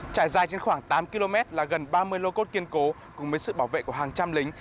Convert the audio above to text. trải dài trên khoảng tám km là gần ba mươi lô cốt kiên cố cùng với sự bảo vệ của hàng trăm lính